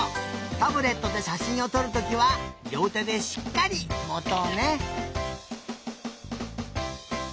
タブレットでしゃしんをとるときはりょうてでしっかりもとうね。